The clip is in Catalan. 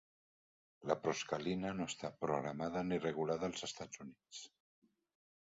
La proscalina no està programada ni regulada als Estats Units.